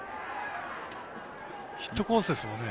ヒットコースですもんね。